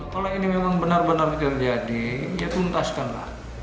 kalau ini memang benar benar tidak jadi ya tuntaskan lah